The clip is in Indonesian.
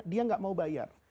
dia tidak mau bayar